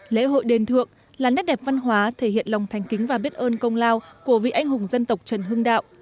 lễ hội đền thượng là nét đẹp văn hóa thể hiện lòng thành kính và biết ơn công lao của vị anh hùng dân tộc trần hưng đạo